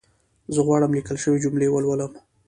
زه غواړم ليکل شوې جملي ولولم